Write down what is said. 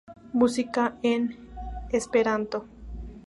Música en esperanto